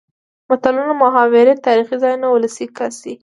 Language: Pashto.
متلونه ،محاورې تاريخي ځايونه ،ولسي کسې.